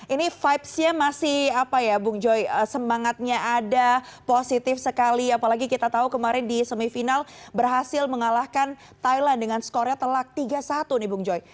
ini vibesnya masih apa ya bung joy semangatnya ada positif sekali apalagi kita tahu kemarin di semifinal berhasil mengalahkan thailand dengan skornya telak tiga satu nih bung joy